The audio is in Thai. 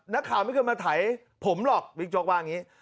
นักข่าวไม่เคยมาไถผมหรอกบิ๊กโจ๊กว่าอย่างนี้